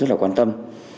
rất là quan tâm